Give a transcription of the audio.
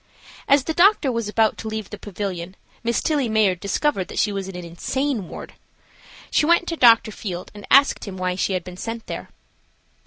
As the doctor was about to leave the pavilion Miss Tillie Mayard discovered that she was in an insane ward. She went to Dr. Field and asked him why she had been sent there.